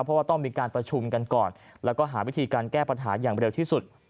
เพราะว่าต้องมีการประชุมกันก่อนแล้วก็หาวิธีการแก้ปัญหาอย่างเร็วที่สุด